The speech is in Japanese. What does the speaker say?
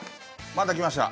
また来ました。